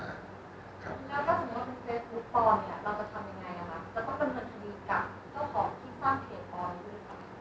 แล้วถึงว่าเป็นเฟสพูดโพสต์เนี่ยเราจะทำยังไงนะครับ